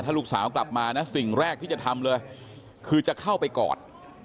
ลูกสาวกลับมานะสิ่งแรกที่จะทำเลยคือจะเข้าไปกอด